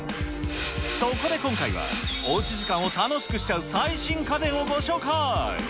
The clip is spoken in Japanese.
そこで今回は、おうち時間を楽しくしちゃう最新家電をご紹介。